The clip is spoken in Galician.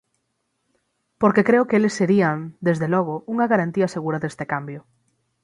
Porque creo que eles serían, desde logo, unha garantía segura deste cambio.